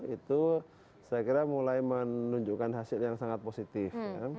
itu saya kira mulai menunjukkan hasil yang sangat positif